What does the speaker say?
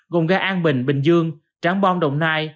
gồm gà an bình bình dương trảng bông đồng nai